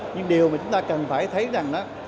nhưng điều mà chúng ta cần phải thấy là